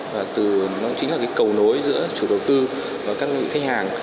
và nó chính là cái cầu nối giữa chủ đầu tư và các vị khách hàng